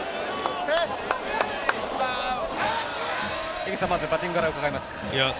井口さん、まずバッティングから伺います。